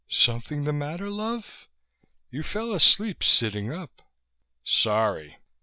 "Something the matter, love? You fell asleep sitting up." "Sorry."